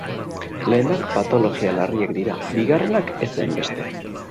Lehenak patologia larriak dira, bigarrenak ez hainbeste.